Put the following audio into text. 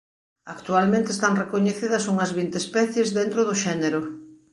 Actualmente están recoñecidas unhas vinte especies dentro do xénero.